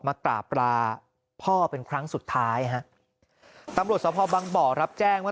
มากราบลาพ่อเป็นครั้งสุดท้ายฮะตำรวจสภบังบ่อรับแจ้งว่า